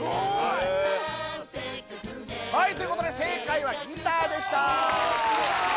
へえはいということで正解はギターでした